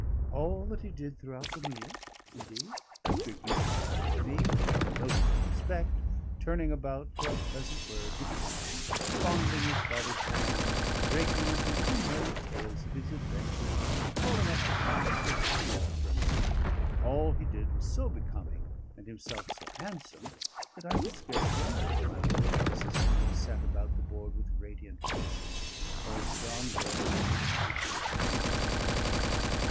All that he did throughout the meal, indeed, drinking wine with me with a notable respect, turning about for a pleasant word with John, fondling his father's hand, breaking into little merry tales of his adventures, calling up the past with happy reference all he did was so becoming, and himself so handsome, that I could scarce wonder if my lord and Mrs. Henry sat about the board with radiant faces, or if John waited behind with dropping tears.